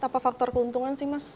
apa faktor keuntungan sih mas